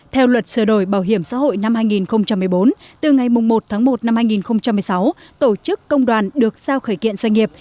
theo luật sửa đổi bảo hiểm xã hội năm hai nghìn một mươi bốn từ ngày một tháng một năm hai nghìn một mươi sáu tổ chức công đoàn được sao khởi kiện doanh nghiệp